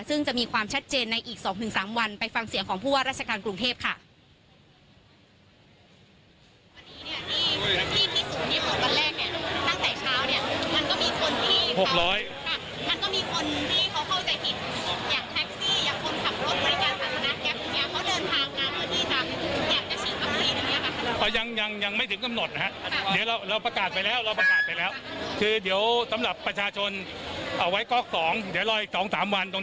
ซึ่งจะมีความชัดเจนในอีก๒๓วันไปฟังเสียงของผู้ว่าราชการกรุงเทพค่ะ